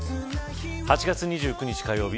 ８月２９日火曜日